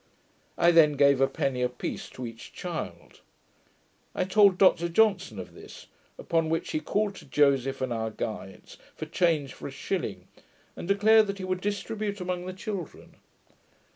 I then gave a penny apiece to each child. I told Dr Johnson of this; upon which he called to Joseph and our guides, for change for a shilling, and declared that he would distribute among the children.